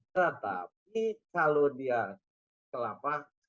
tetapi kalau dia kelapa